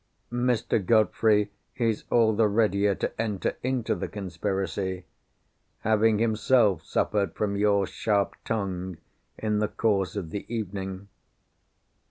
Mr. Godfrey is all the readier to enter into the conspiracy, having himself suffered from your sharp tongue in the course of the evening.